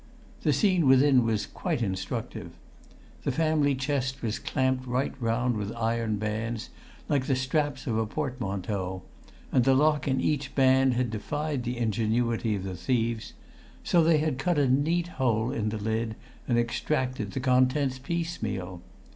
The scene within was quite instructive. The family chest was clamped right round with iron bands, like the straps of a portmanteau, and the lock in each band had defied the ingenuity of the thieves; so they had cut a neat hole in the lid and extracted the contents piecemeal.